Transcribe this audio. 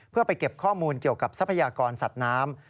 เพื่อไปเก็บข้อมูลเกี่ยวกับทรัพยากรสัตว์น้ำ